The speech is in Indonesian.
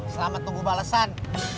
selamat tunggu balesan